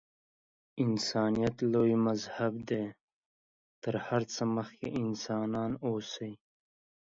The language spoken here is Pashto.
انسانیت لوی مذهب دی. تر هر څه مخکې انسانان اوسئ.